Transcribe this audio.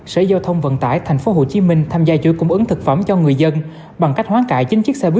sở giao thông vận tải tp hcm